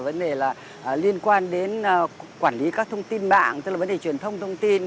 vấn đề là liên quan đến quản lý các thông tin mạng tức là vấn đề truyền thông thông tin